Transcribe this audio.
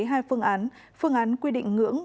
hai phương án phương án quy định ngưỡng